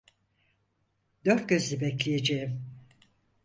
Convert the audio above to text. Dört gözle bekleyeceğim.